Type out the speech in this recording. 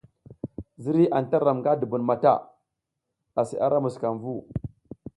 Ziriy anta ram nga dubun mata, asi ara muskamvu.